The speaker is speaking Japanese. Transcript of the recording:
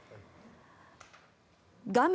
画面